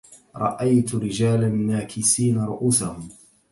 رأيت رجالا ناكسين رؤوسهم